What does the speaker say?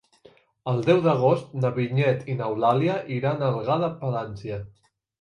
El deu d'agost na Vinyet i n'Eulàlia iran a Algar de Palància.